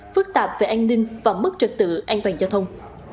phức tạp về an ninh và mức trật tự an toàn giao thông